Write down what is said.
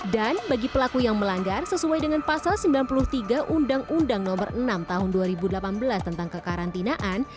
dan bagi pelaku yang melanggar sesuai dengan pasal sembilan puluh tiga undang undang no enam tahun dua ribu delapan belas tentang kekarantinaan